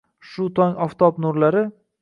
Shu tong oftob nurlari